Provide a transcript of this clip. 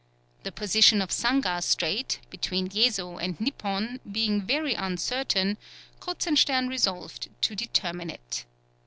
The position of Sangar Strait, between Yezo and Niphon, being very uncertain, Kruzenstern resolved to determine it.